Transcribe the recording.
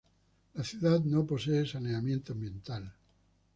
La ciudad no posee saneamiento ambiental.